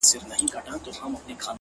وخت د ارمانونو رښتینولي ازموي